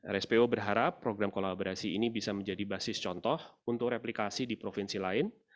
rspo berharap program kolaborasi ini bisa menjadi basis contoh untuk replikasi di provinsi lain